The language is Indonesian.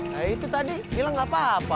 nah itu tadi bilang gak apa apa